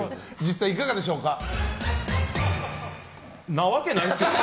なわけないっすよね。